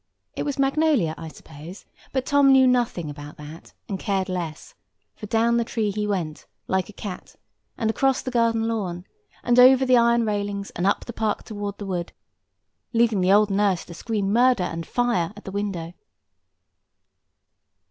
It was magnolia, I suppose; but Tom knew nothing about that, and cared less; for down the tree he went, like a cat, and across the garden lawn, and over the iron railings and up the park towards the wood, leaving the old nurse to scream murder and fire at the window.